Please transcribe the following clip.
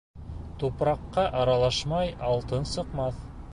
Тупраҡҡа аралашмай алтын сыҡмаҫ.